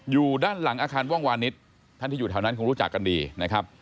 อยู่ด้านหลังอาคารว่องวานิสท่านที่อยู่แถวนั้นคงรู้จักกันดีนะครับ